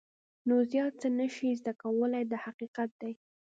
نو زیات څه نه شې زده کولای دا حقیقت دی.